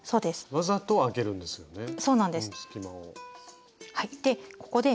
わざとあけるんですよね